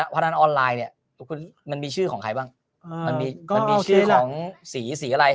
พนันออนไลน์เนี่ยมันมีชื่อของใครบ้างมันมีชื่อของสีสีอะไร